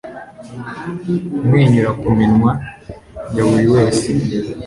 Kumwenyura ku minwa ya buri wese